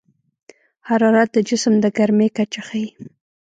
حرارت د جسم د ګرمۍ کچه ښيي.